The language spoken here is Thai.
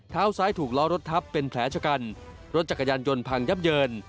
เท้าซ้ายถูกล้อรถทับเป็นแผลชะกันรถจักรยานยนต์พังยับเยิน